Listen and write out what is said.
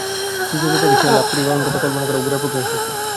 সুচরিতাকে সে লাভ করিবে এমন কথা কল্পনা করাও গোরার পক্ষে অসহ্য।